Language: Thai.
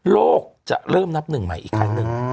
โลกจะเริ่มนับหนึ่งใหม่อีกครั้งหนึ่ง